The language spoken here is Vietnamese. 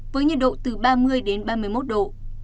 với nhiệt độ từ ba mươi đến ba mươi một độ